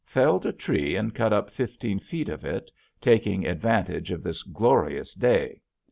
Felled a tree and cut up fifteen feet of it, taking advantage of this glorious day.